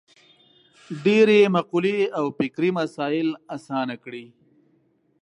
ډېرې مقولې او فکري مسایل اسانه کړي.